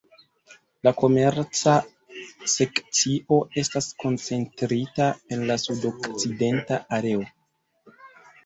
La komerca sekcio estas koncentrita en la sudokcidenta areo.